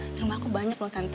ngerima aku banyak lo tante